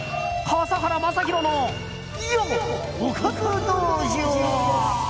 笠原将弘のおかず道場。